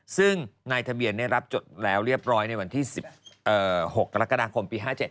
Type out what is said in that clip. ซึ่งนายทะเบียนได้รับจดแล้วเรียบร้อยในวันที่๑๖กรกฎาคมปี๕๗